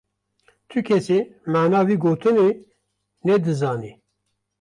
Tukesî mana vê gotine ne dizanî.